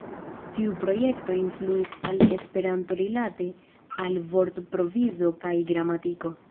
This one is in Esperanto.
Tiu projekto influis al Esperanto rilate al vortprovizo kaj gramatiko.